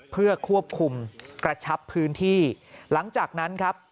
เพื่อควบคุมกระชับพื้นที่หลังจากนั้นครับ